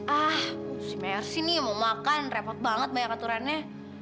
ah si mer sih nih mau makan repot banget banyak aturannya